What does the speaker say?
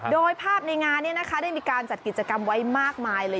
โดยภาพในงานนี้นะคะได้มีการจัดกิจกรรมไว้มากมายเลย